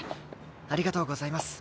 ありがとうございます。